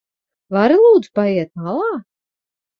Vari lūdzu paiet malā?